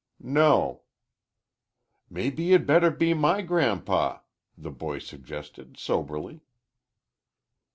"No." "Mebbe you'd be my gran'pa," the boy suggested, soberly.